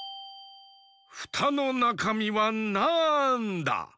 フタのなかみはなんだ？